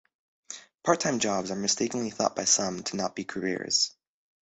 Part-time jobs are mistakenly thought by some to not be careers.